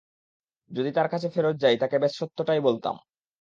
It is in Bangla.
যদি তার কাছে ফেরত যাই, তাকে ব্যস সত্যটাই বলতাম।